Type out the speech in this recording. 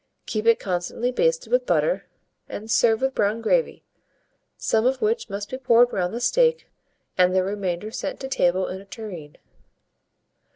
Keep it constantly basted with butter, and serve with brown gravy, some of which must be poured round the steak, and the remainder sent to table in a tureen.